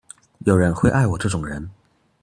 有人會愛我這種人